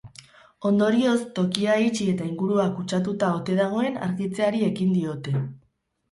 Ondorioz, tokia itxi eta ingurua kutsatuta ote dagoen argitzeari ekin diote.